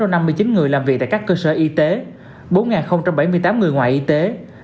sáu bốn trăm năm mươi chín người làm việc tại các cơ sở y tế bốn bảy mươi tám người ngoại y tế